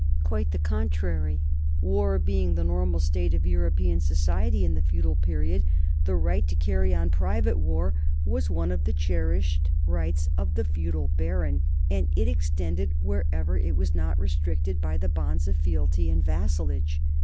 Quite the contrary. War being the normal state of European society in the feudal period, the right to carry on private war was one of the cherished rights NORMANDY AND ENGLAND 61 of the feudal baron, and it extended wherever it was not restricted by the bonds of fealty and vassalage.